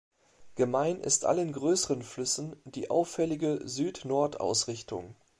Gemein ist allen größeren Flüssen die auffällige Süd-Nord-Ausrichtung.